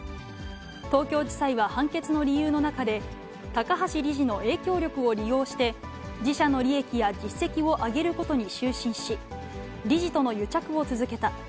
東京地裁は判決の理由の中で、高橋理事の影響力を利用して、自社の利益や実績を上げることに執心し、理事との癒着を続けた。